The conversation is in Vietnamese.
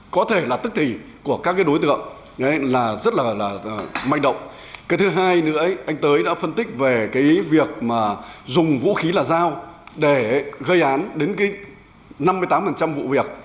cái thứ hai nữa anh tới đã phân tích về cái việc mà dùng vũ khí là dao để gây án đến cái năm mươi tám vụ việc